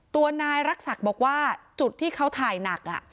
ตัวนายรักษักบอกว่าจุดที่เขาถ่ายหนัก